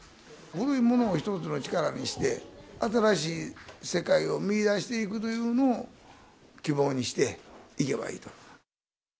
古いものを一つの力にして、新しい世界を見いだしていくというのを希望にしていけばいいと。